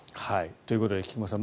ということで菊間さん